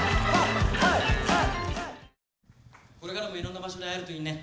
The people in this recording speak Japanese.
これからもいろんな場所で会えるといいね！